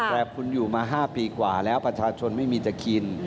แต่คุณอยู่มา๕ปีกว่าแล้วประชาชนไม่มีจะกิน